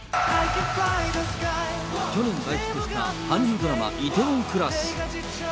去年大ヒットした韓流ドラマ、梨泰院クラス。